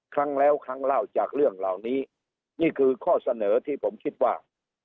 ครั้งแล้วครั้งเล่าจากเรื่องเหล่านี้นี่คือข้อเสนอที่ผมคิดว่า